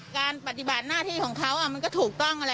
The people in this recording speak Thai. การปฏิบาติหน้าที่ของเขามันก็ถูกต้อง